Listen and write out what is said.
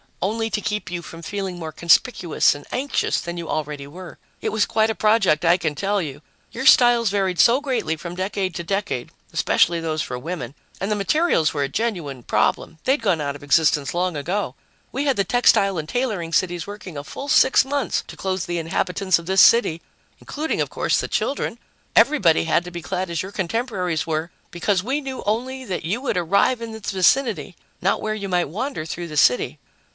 "Only to keep you from feeling more conspicuous and anxious than you already were. It was quite a project, I can tell you your styles varied so greatly from decade to decade, especially those for women and the materials were a genuine problem; they'd gone out of existence long ago. We had the textile and tailoring cities working a full six months to clothe the inhabitants of this city, including, of course, the children. Everybody had to be clad as your contemporaries were, because we knew only that you would arrive in this vicinity, not where you might wander through the city."